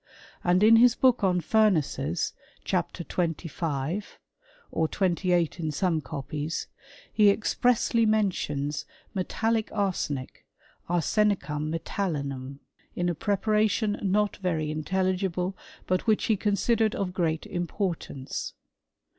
And in his book on Furnaces, chapter 25 (or 28 in some copies), he expressly mentions metallic arsenic (arsenicum m^tallinum), in a preparation not very in^ telligible, but which he considered of great importanee.